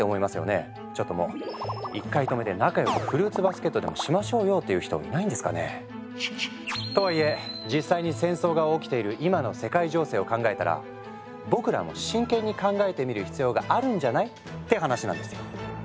ちょっともう「１回止めて仲よくフルーツバスケットでもしましょうよ」って言う人いないんですかね？とはいえ実際に戦争が起きている今の世界情勢を考えたら「僕らも真剣に考えてみる必要があるんじゃない？」って話なんですよ。